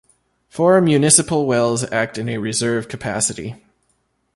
Four municipal wells act in a reserve capacity.